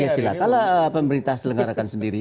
ya silahkanlah pemerintah selenggarakan sendiri